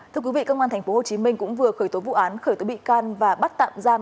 thưa quý vị công an tp hồ chí minh cũng vừa khởi tố vụ án khởi tố bị can và bắt tạm giam